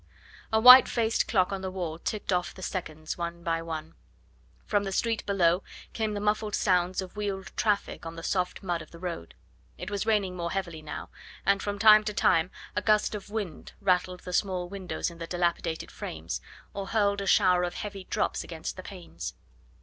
A white faced clock on the wall ticked off the seconds one by one. From the street below came the muffled sounds of wheeled traffic on the soft mud of the road; it was raining more heavily now, and from time to time a gust of wind rattled the small windows in their dilapidated frames, or hurled a shower of heavy drops against the panes.